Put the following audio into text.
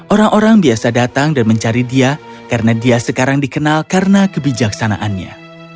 orang orang biasa datang dan mencari dia karena dia sekarang dikenal karena kebijaksanaannya